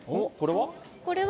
これは？